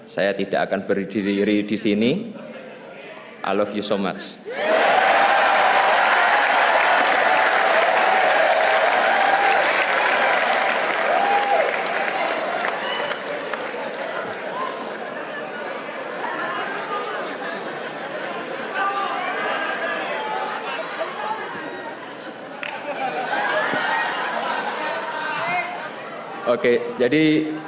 saya tidak akan berdiri di sini